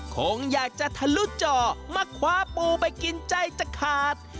คงอยากจะทะลุจอมาคว้าปูไปกินใจจะขาด